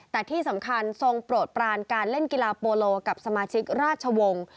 แต่ที่สำคัญทรงโปรดปรานการเล่นกีฬาโปโลกับสมาชิกราชวงศ์